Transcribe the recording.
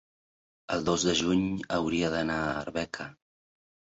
el dos de juny hauria d'anar a Arbeca.